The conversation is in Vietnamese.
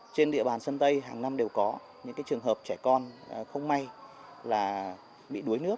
trên địa bàn sơn tây hàng năm đều có những trường hợp trẻ con không may là bị đuối nước